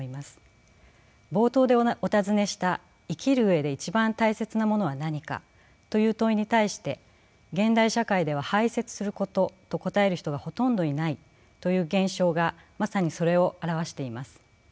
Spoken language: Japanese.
冒頭でお尋ねした「生きる上で一番大切なものは何か」という問いに対して現代社会では排泄することと答える人がほとんどいないという現象がまさにそれを表しています。